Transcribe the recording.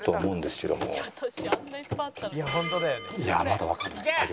いやまだわからない。